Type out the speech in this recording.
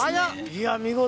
いや見事。